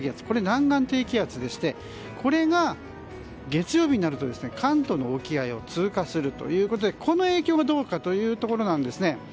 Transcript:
これ、南岸低気圧でしてこれが月曜日になると関東の沖合を通過するということでこの影響がどうかというところですね。